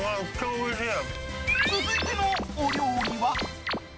続いてのお料理は。